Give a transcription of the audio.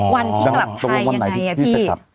วันที่กลับไทยยังไงอะพี่